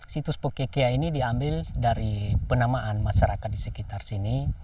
situs pokekea ini diambil dari penamaan masyarakat di sekitar sini